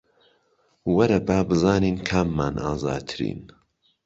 وەرە با بزانین کاممان ئازاترین